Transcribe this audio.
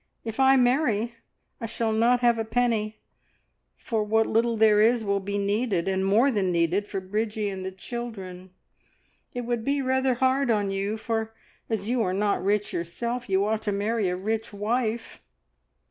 If I marry I shall not have a penny; for what little there is will be needed, and more than needed, for Bridgie and the children. It would be rather hard on you, for, as you are not rich yourself, you ought to marry a rich wife."